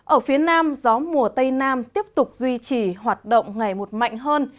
ở phía nam gió mùa tây nam tiếp tục duy trì hoạt động ngày một mạnh hơn